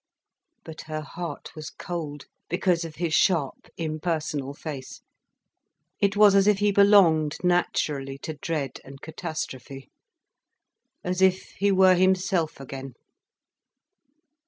But her heart was cold, because of his sharp impersonal face. It was as if he belonged naturally to dread and catastrophe, as if he were himself again.